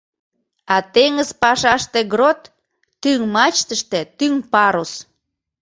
А теҥыз пашаште грот — тӱҥ мачтыште тӱҥ парус.